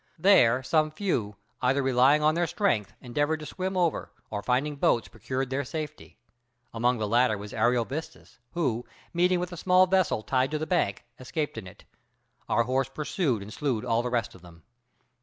There some few, either relying on their strength, endeavored to swim over, or finding boats procured their safety. Among the latter was Ariovistus, who, meeting with a small vessel tied to the bank, escaped in it: our horse pursued and slew all the rest of them.